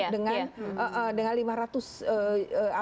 dengan lima ratus juta denda